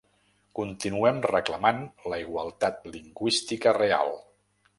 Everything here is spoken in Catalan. Continuem reclamant la igualtat lingüística real!